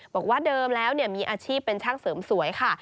บอกว่าเดิมแล้วมีอาชีพเป็นช่างเสริมสวยค่ะ